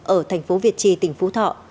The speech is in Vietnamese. ở thành phố việt trì tỉnh phú thọ